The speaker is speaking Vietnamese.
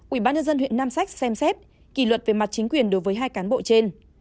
ủy ban nhân dân huyện nam sách xem xét kỷ luật về mặt chính quyền đối với hai cán bộ trên